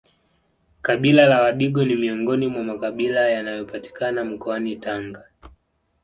Kabila la wadigo ni miongoni mwa makabila yanayopatikana mkoani Tanga